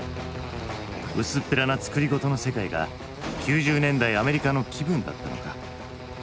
薄っぺらな作り事の世界が９０年代アメリカの気分だったのか。